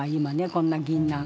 こんなぎんなん。